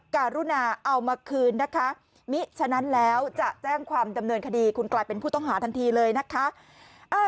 การุณาเอามาคืนนะคะมิฉะนั้นแล้วจะแจ้งความดำเนินคดีคุณกลายเป็นผู้ต้องหาทันทีเลยนะคะ